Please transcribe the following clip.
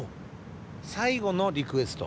最後のリクエスト。